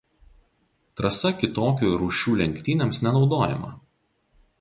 Trasa kitokių rūšių lenktynėms nenaudojama.